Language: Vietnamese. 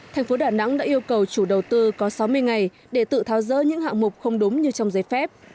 thành phố đà nẵng đã yêu cầu chủ đầu tư có sáu mươi ngày để tự tháo rỡ những hạng mục không đúng như trong giấy phép